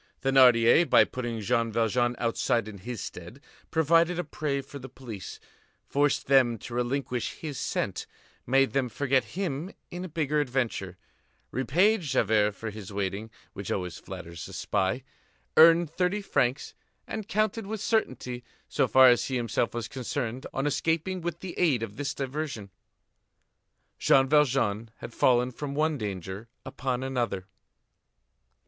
Thénardier, by putting Jean Valjean outside in his stead, provided a prey for the police, forced them to relinquish his scent, made them forget him in a bigger adventure, repaid Javert for his waiting, which always flatters a spy, earned thirty francs, and counted with certainty, so far as he himself was concerned, on escaping with the aid of this diversion. Jean Valjean had fallen from one danger upon another.